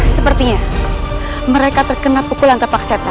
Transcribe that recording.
sepertinya mereka terkena pukulan tapak setan